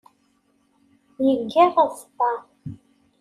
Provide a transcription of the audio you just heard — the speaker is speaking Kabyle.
Yeggar aẓeṭṭa.